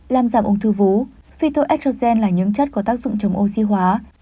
làm giảm ung thư vú phyto estrogen là những chất có tác dụng chống oxy hóa